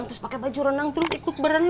terus pakai baju renang terus ikut berenang